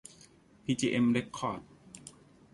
พีจีเอ็ม เร็คคอร์ด